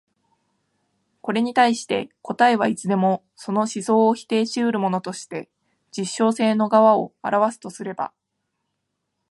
これに対して答えはいつでもその思想を否定し得るものとして実証性の側を現すとすれば、